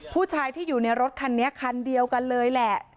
ผู้ชายที่อยู่ในรถคันนี้คันเดียวกันเลยแหละ